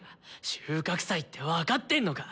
収穫祭って分かってんのか！